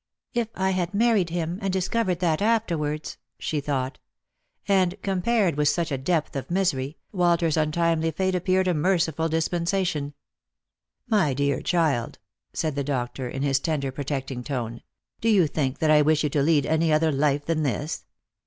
" If I had married him and discovered that afterwards !" she thought. And, compared with such depth of misery, Walter's untimely fate appeared a merciful dispensation. "My dear child," said the doctor in his tender protecting tone, " do you think that I wish you to lead any other life than this